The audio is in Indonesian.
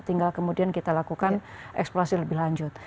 tinggal kemudian kita lakukan eksplorasi lebih lanjut